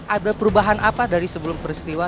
ada perubahan apa dari sebelum peristiwa